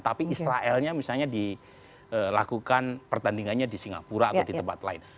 tapi israelnya misalnya dilakukan pertandingannya di singapura atau di tempat lain